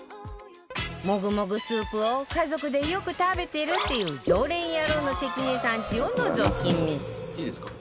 もぐもぐスープを家族で、よく食べてるっていう常連ヤロウの関根さんちをのぞき見スタッフ：いいですか？